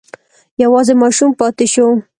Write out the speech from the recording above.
یوازې ماشوم پاتې شو.